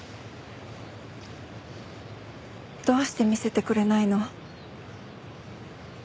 どうして見せてくれないの？